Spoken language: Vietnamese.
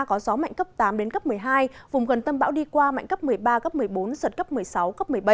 có gió mạnh cấp tám đến cấp một mươi hai vùng gần tâm bão đi qua mạnh cấp một mươi ba cấp một mươi bốn giật cấp một mươi sáu cấp một mươi bảy